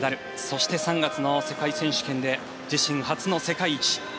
そして３月の世界選手権で自身初の世界一。